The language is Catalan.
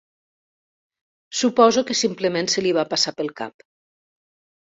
Suposo que simplement se li va passar pel cap.